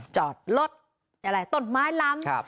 จอดรถตนไม้ลำ